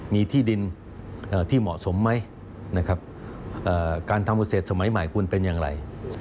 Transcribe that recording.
มีที่ดินที่เหมาะสมไหมนะครับการทำเกษตรสมัยใหม่ควรเป็นอย่างไร